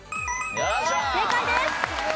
正解です。